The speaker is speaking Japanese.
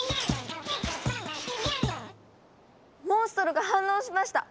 モンストロが反応しました！